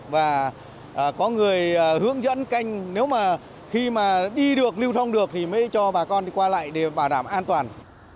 và có người hướng dẫn canh nếu mà khi mà đi được lưu thông được thì mới cho bà con đi qua lại để bảo đảm an toàn